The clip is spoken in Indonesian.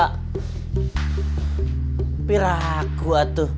tapi ragu atuh